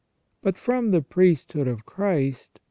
But from the priesthood of Christ all * S.